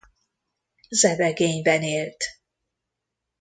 Zebegényben élt.